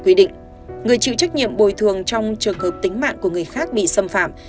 quy định người chịu trách nhiệm bồi thường trong trường hợp tính mạng của người khác bị xâm phạm